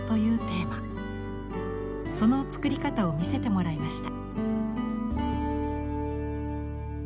その作り方を見せてもらいました。